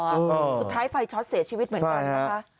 สุดท้ายไฟช็อตเสียชีวิตเหมือนกันนะคะ